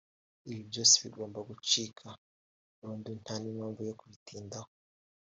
ibi byose bigomba gucika burundu nta n’impamvu yo kubitindaho”